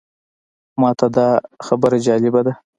ماته دا خبره جالبه ده.